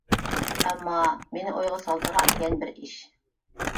ئەمما مېنى ئويغا سالىدىغان يەنە بىر ئىش.